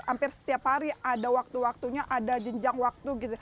hampir setiap hari ada waktu waktunya ada jenjang waktu gitu